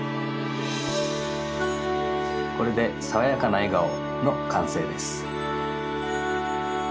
これでさわやかな笑顔のかんせいです。